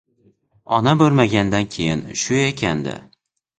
Ona bo‘lmaganidan keyin shu ekan-da!